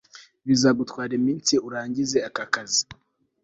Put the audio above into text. bizagutwara iminsi urangize aka kazi